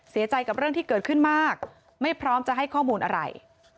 เสียใจกับเรื่องที่เกิดขึ้นมากไม่พร้อมจะให้ข้อมูลอะไร